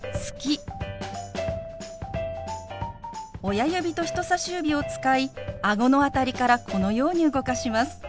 親指と人さし指を使いあごの辺りからこのように動かします。